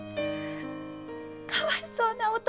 かわいそうなお父